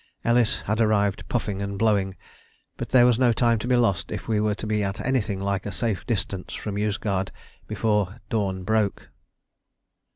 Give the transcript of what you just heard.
Ellis had arrived puffing and blowing, but there was no time to be lost if we were to be at anything like a safe distance from Yozgad before dawn broke.